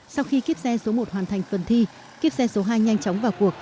sau khi kiếp xe số một hoàn thành phần thi kiếp xe số hai nhanh chóng vào cuộc